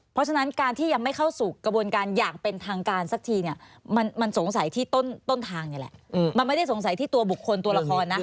เพราะฉะนั้นการที่ยังไม่เข้าสู่กระบวนการอย่างเป็นทางการสักทีเนี่ยมันสงสัยที่ต้นทางนี่แหละมันไม่ได้สงสัยที่ตัวบุคคลตัวละครนะ